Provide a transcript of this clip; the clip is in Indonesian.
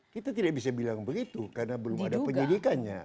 kita tidak bisa bilang begitu karena belum ada penyidikannya